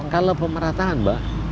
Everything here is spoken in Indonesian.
kalau pemerataan mbak